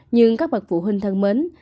nhưng các bậc phụ huynh thân mến